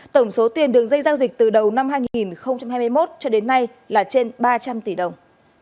tổng số tiền đường dây giao dịch từ đầu năm hai nghìn hai mươi một cho đến nay là trên ba trăm linh tỷ đồng